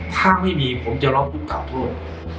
ถ้าไม่มีผมจะร้องทุกข์กล่าวโทษ